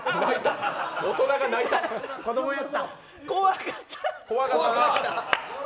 怖かったな。